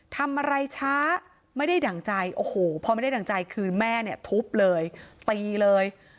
ทำอะไรช้าไม่ได้ดั่งใจโอ้โหพอไม่ได้ดั่งใจคือแม่เนี่ยทุบเลยตีเลย